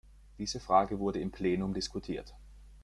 Diese Frage wurde im Plenum diskutiert.